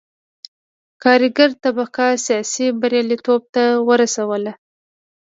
کارګره طبقه سیاسي بریالیتوب ته ورسوله.